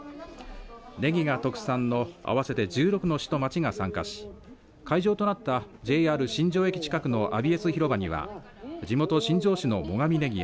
ねぎが特産の合わせて１６の市と町が参加し会場となったＪＲ新庄駅近くのアビエス広場には地元、新庄市のもがみねぎ